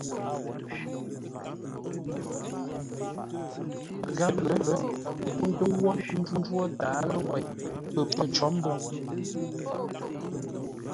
Gháp lər, ə́ ntó ńkə́u wó ńjwó tǎaló wêi pə̌ pə̂ cǒ mbə̂u.